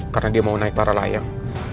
karena dia mau naik para layang